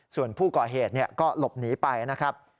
ส่วนผู้ก่อเหตุก็หลบหนีไปนะครับ